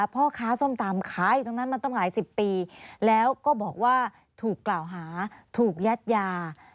พ่อค้าส้มตำขายอยู่ตรงนั้นมาตั้งหลายสิบปีแล้วก็บอกว่าถูกกล่าวหาถูกยัดยา